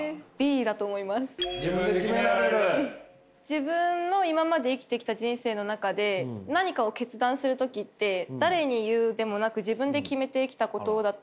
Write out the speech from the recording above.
自分の今まで生きてきた人生の中で何かを決断する時って誰に言うでもなく自分で決めてきたことだったので。